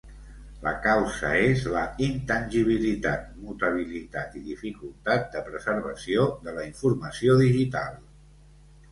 La causa és la intangibilitat, mutabilitat i dificultat de preservació de la informació digital.